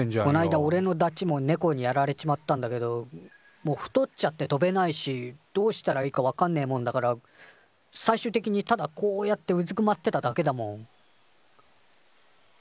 こないだおれのダチもネコにやられちまったんだけどもう太っちゃって飛べないしどうしたらいいかわかんねえもんだから最終的にただこうやってうずくまってただけだもん。